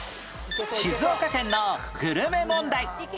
静岡県のグルメ問題